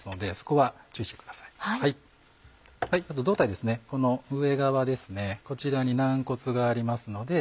こちらに軟骨がありますので。